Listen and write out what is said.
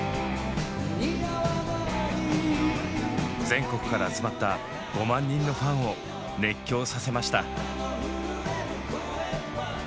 全国から集まった５万人のファンを熱狂させました。